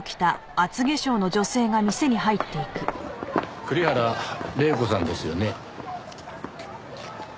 栗原玲子さんですよね。